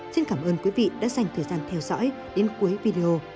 xin cảm ơn quý vị đã dành thời gian theo dõi đến cuối video